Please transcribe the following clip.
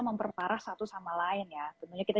memperparah satu sama lain ya tentunya kita